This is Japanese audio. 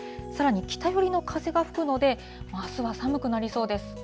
さらに北寄りの風が吹くので、あすは寒くなりそうです。